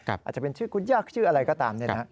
อาจจะเป็นชื่อคุณยากชื่ออะไรก็ตาม